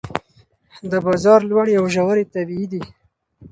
د بازار لوړې او ژورې طبیعي دي.